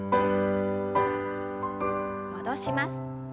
戻します。